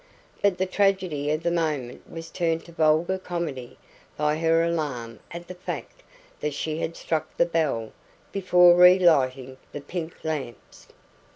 But the tragedy of the moment was turned to vulgar comedy by her alarm at the fact that she had struck the bell before relighting the pink lamps.